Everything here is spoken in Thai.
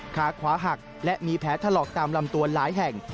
ขาขวาหักและมีแผลถลอกตามลำตัวหลายแห่ง